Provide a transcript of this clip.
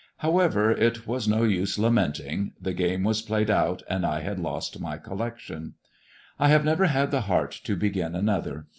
However, it was no use lamenting ; the game was played out, and I had lost my collection. I have never Lad the heart to begin another.